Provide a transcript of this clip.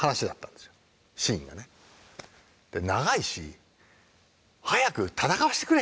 で長いし「早く戦わせてくれ！」